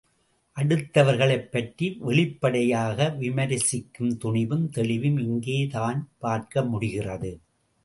அடுத்தவர்களைப் பற்றி வெளிப்படையாக விமரிசிக்கும் துணிவும் தெளிவும் இங்கே தான் பார்க்க முடிகிறது.